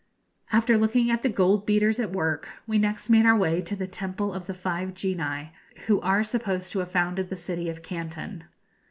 After looking in at the goldbeaters at work, we next made our way to the temple of the Five Genii who are supposed to have founded the city of Canton.